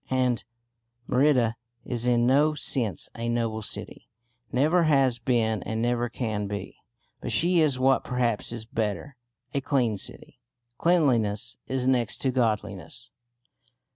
And Merida is in no sense a noble city; never has been and never can be. But she is what perhaps is better a clean city. Cleanliness is next to godliness.